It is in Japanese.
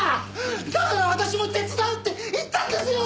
だから私も手伝うって言ったんですよ！